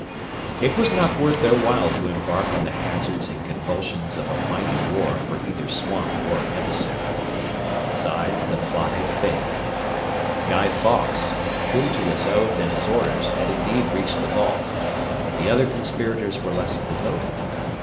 It was not worth their while to embark on the hazards and convulsions of a mighty war for either swamp or emissary. Besides, the plot had failed. Guy Fawkes, true to his oath and his orders, had indeed reached the vault; but the other conspirators were less devoted.